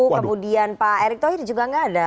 kemudian pak erick thohir juga nggak ada